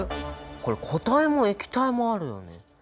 これ固体も液体もあるよね。